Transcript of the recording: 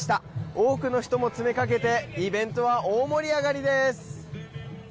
多くの人も詰めかけてイベントは大盛り上がりです。